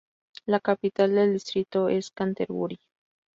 La capital del distrito es Canterbury.